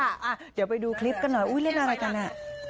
เดี๋ยวไปดูคลิปกันหน่อยอุ๊ยเล่นอะไรกันอ่ะ